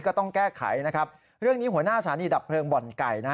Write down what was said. ก็ต้องแก้ไขนะครับเรื่องนี้หัวหน้าสถานีดับเพลิงบ่อนไก่นะฮะ